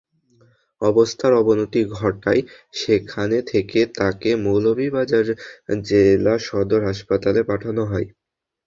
অবস্থার অবনতি ঘটায় সেখান থেকে তাকে মৌলভীবাজার জেলা সদর হাসপাতালে পাঠানো হয়।